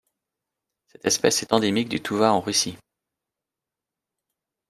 Cette espèce est endémique du Touva en Russie.